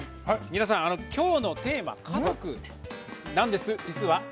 皆さん、きょうのテーマ家族なんです、実は。